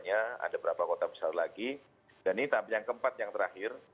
ada berapa kota besar lagi dan ini yang keempat yang terakhir